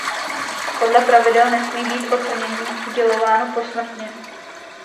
Podle pravidel nesmí být ocenění uděleno posmrtně.